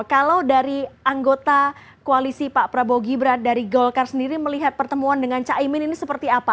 kalau dari anggota koalisi pak prabowo gibran dari golkar sendiri melihat pertemuan dengan caimin ini seperti apa